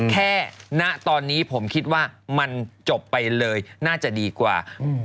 ณตอนนี้ผมคิดว่ามันจบไปเลยน่าจะดีกว่า